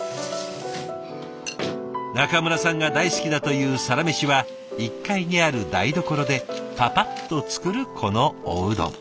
中村さんが大好きだというサラメシは１階にある台所でパパッと作るこのおうどん。